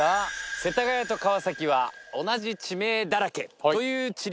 世田谷と川崎は同じ地名だらけという地理